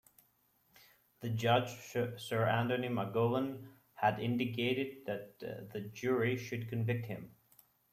The judge, Sir Anthony McCowan, had indicated that the jury should convict him.